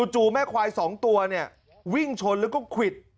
จู่แม่ควาย๒ตัวเนี่ยวิ่งชนแล้วก็ควิด